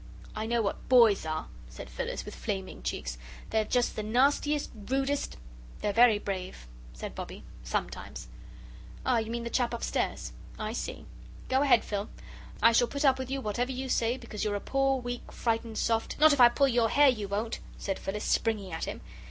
"I know what BOYS are," said Phyllis, with flaming cheeks; "they're just the nastiest, rudest " "They're very brave," said Bobbie, "sometimes." "Ah, you mean the chap upstairs? I see. Go ahead, Phil I shall put up with you whatever you say because you're a poor, weak, frightened, soft " "Not if I pull your hair you won't," said Phyllis, springing at him.